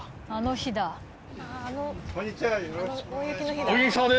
あの日か。